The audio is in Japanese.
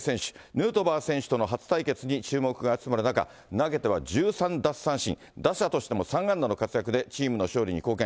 ヌートバー選手との初対決に注目が集まる中、投げては１３奪三振、打者としても３安打の活躍で、チームの勝利に貢献。